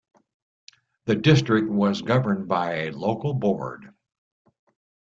The district was governed by a local board.